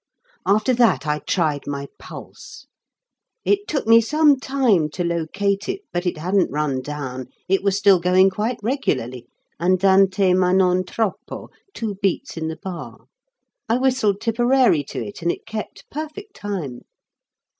After that I tried my pulse. It took me some time to locate it, but it hadn't run down; it was still going quite regularly andante ma non troppo, two beats in the bar. I whistled "Tipperary" to it, and it kept perfect time.